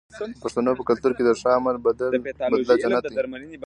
د پښتنو په کلتور کې د ښه عمل بدله جنت دی.